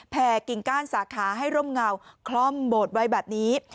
กิ่งก้านสาขาให้ร่มเงาคล่อมโบสถไว้แบบนี้